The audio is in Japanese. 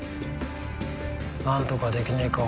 なんとかできねえか方々